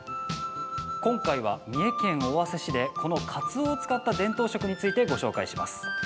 今回は三重県尾鷲市でこの、かつおを使った伝統食についてご紹介します。